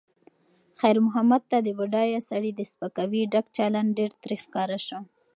خیر محمد ته د بډایه سړي د سپکاوي ډک چلند ډېر تریخ ښکاره شو.